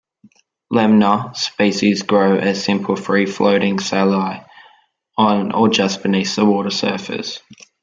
"Lemna" species grow as simple free-floating thalli on or just beneath the water surface.